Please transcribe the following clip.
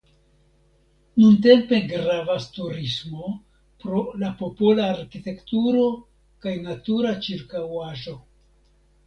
Nuntempe gravas turismo pro la popola arkitekturo kaj natura ĉirkaŭaĵo.